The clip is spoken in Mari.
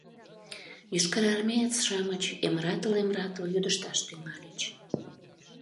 Йошкарармеец-шамыч эмратыл-эмратыл йодышташ тӱҥальыч.